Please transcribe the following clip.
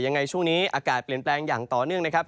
ยังไงช่วงนี้อากาศเปลี่ยนแปลงอย่างต่อเนื่องนะครับ